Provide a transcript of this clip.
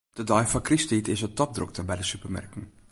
De dei foar krysttiid is it topdrokte by de supermerken.